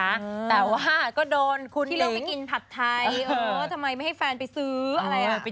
แต่ว่าก็โดนคุณที่เลือกไปกินผัดไทยเออทำไมไม่ให้แฟนไปซื้ออะไรอ่ะ